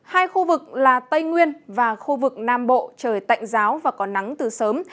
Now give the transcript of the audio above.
hai khu vực là tây nguyên và khu vực nam bộ trời tạnh giáo và có nắng từ sớm